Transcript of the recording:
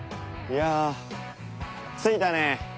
いや着いたね。